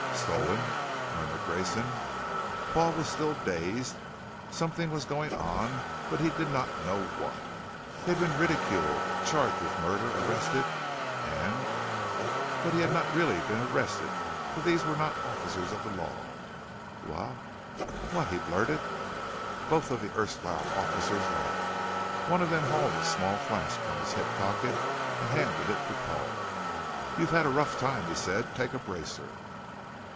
"Stolen ?" murmured Grayson. Paul was still dazed. Something was going on but he did not know what. He had been ridiculed, charged with murder, arrested, and but he had not really been arrested for these were not officers of the law. "Wha what ?" he blurted. Both of the erstwhile officers laughed. One of them hauled a small flask from his hip pocket and handed it to Paul. "You've had a rough time," he said. "Take a bracer."